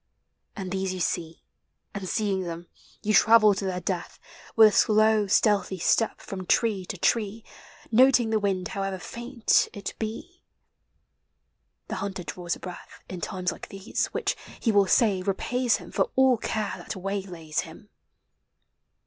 And these you see, And, seeing them, you travel. to their death With a slow, stealthy step, from tree to tree, Noting the wind, however faint it be. The hunter draws a breath In times like these, which, he will say, repays him For all care that waylays him.